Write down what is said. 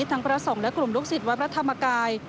พระสงฆ์และกลุ่มลูกศิษย์วัดพระธรรมกาย